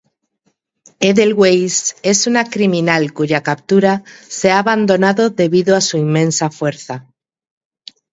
Edelweiss es una criminal cuya captura se ha abandonado debido a su inmensa fuerza.